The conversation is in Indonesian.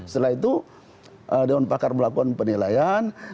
setelah itu dewan pakar melakukan penilaian